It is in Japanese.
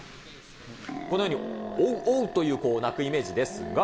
このようにおうおうという、鳴くイメージですが。